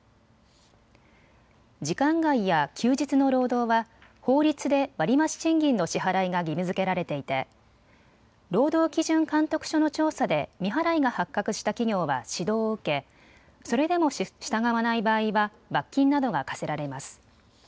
時間外や休日の労働は法律で割増賃金の支払いが義務づけられていて労働基準監督署の調査で未払いが発覚した企業は指導を受けそれでも従わない場合は罰金などが科せられます。